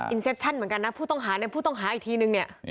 อินเซปชั่นเหมือนกันนะผู้ต้องหาอีกทีนึงเนี่ย